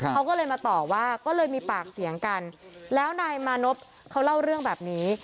เขาก็เลยมาต่อว่าก็เลยมีปากเสียงกันแล้วนายมานพเขาเล่าเรื่องแบบนี้